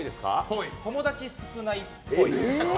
友達少ないっぽい？